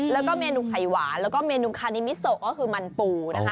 แล้วก็เมนูไข่หวานแล้วก็เมนูคานิมิโซก็คือมันปูนะคะ